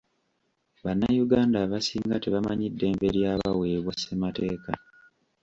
Bannayuganda abasinga tebamanyi ddembe lya baweebwa ssemateeka.